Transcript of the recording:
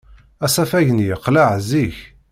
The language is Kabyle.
Asafag-nni yeqleɛ zik.